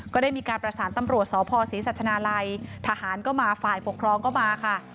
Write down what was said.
ก็ได้มีการประสานตำรวจสพศรีสัชนาลัยทหารก็มาฝ่ายปกครองก็มาค่ะ